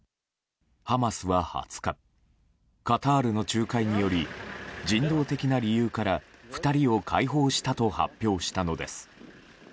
ハマスは２０日カタールの仲介により人道的な理由から２人を解放したと発表したのです。